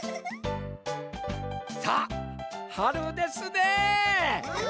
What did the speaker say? さあはるですねえ。